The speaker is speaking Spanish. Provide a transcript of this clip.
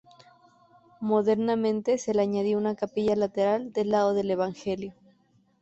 Modernamente se le añadió una capilla lateral del lado del Evangelio.